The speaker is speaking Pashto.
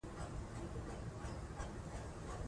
کولمو محور د هاضمي سیستم او دماغ ترمنځ دی.